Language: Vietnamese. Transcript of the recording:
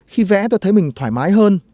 khi vẽ tôi thấy mình thoải mái hơn